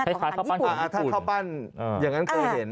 ข้าวปั้นของญี่ปุ่นอ่าถ้าข้าวปั้นอย่างนั้นกูเห็น